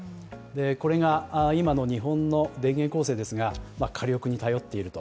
これが今の日本の電源構成ですが火力に頼っていると。